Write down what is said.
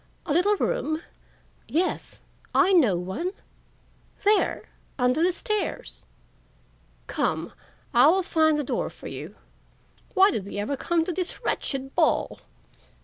A little room? Yes, I know one, there, under the stairs. Come, I will find the door for you. Why did we ever come to this wretched ball?"